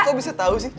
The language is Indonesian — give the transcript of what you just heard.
kok bisa tau sih